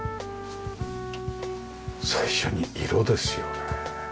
最初に色ですよね。